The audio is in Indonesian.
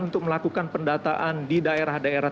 untuk melakukan pendataan di daerah daerah